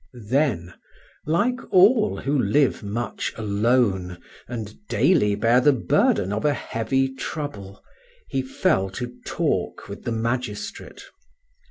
Then, like all who live much alone and daily bear the burden of a heavy trouble, he fell to talk with the magistrate.